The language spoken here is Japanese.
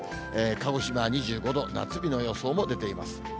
鹿児島２５度、夏日の予想も出ています。